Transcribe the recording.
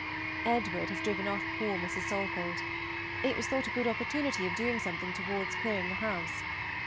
Edward has driven off poor Mrs. Salkeld. It was thought a good opportunity of doing something towards clearing the house.